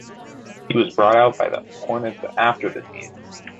He was bought out by the Hornets after the season.